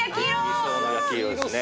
理想の焼き色ですね。